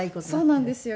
そうなんですよ。